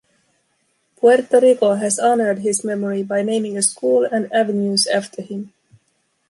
Puerto Rico has honored his memory by naming a school and avenues after him.